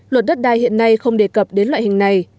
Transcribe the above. luật đất đai hiện nay không đề cập đến loại hình này